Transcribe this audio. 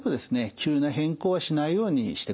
急な変更はしないようにしてください。